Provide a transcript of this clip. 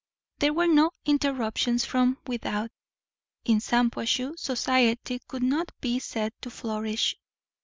There were no interruptions from without. In Shampuashuh, society could not be said to flourish.